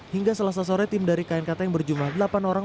hingga selasa sore tim dari knkt yang berjumlah delapan orang